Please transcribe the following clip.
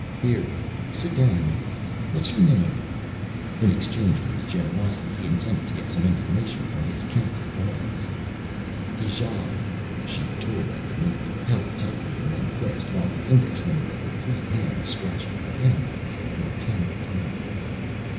"Here. Sit down and eat it. What's your name?" In exchange for his generosity he intended to get some information from his captive audience. "Ijale." She tore at the meat, held tightly in one fist, while the index finger of her free hand scratched for enemies in her tangled hair.